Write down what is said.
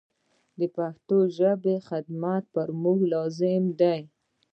د پښتو ژبي خدمت پر موږ لازم دی.